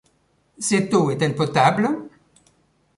Cette eau est-elle potable ?